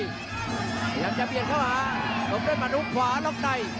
พยายามจะเปลี่ยนเข้าขวาตรงด้วยมนุษย์ขวาล่องใต้